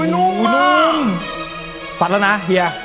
นุ่มอ่ะนุ่ม